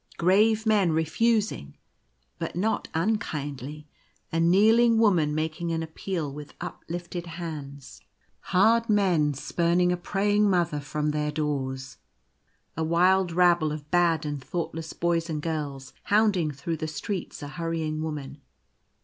Grave men refusing, but not unkindly, a kneeling woman making an appeal with uplifted hands. The Master Mariner. 95 Hard men spurning a praying Mother from their doors, A wild rabble of bad and thoughtless boys and girls hounding through the streets a hurrying woman.